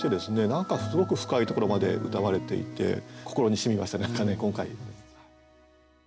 何かすごく深いところまでうたわれていて心にしみました何かね今回。